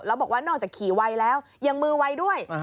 แล้วบอกว่านอกจากขี่ไวแล้วยังมือไวด้วย